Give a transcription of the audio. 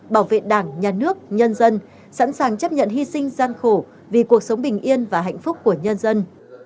bảo vệ đảng nhà nước nhân dân sẵn sàng chấp nhận hy sinh gian khổ vì cuộc sống bình yên và hạnh phúc của nhân dân